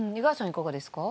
いかがですか？